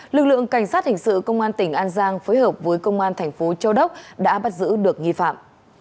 lực lượng cảnh sát hình sự công an tỉnh an giang phối hợp với công an thành phố châu đốc đã bắt giữ được nghi phạm